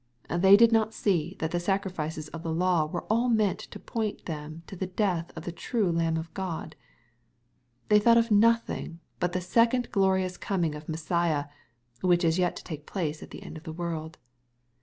They did not see that the sacrifices of the law were all meant to point them to the death of the "true Lamb of God. They thought of nothing but the jsecond glorious coming of Messiah, which is yet to take jplace at the end of the world.